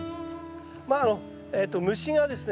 まあ虫がですね